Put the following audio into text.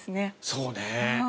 そうね。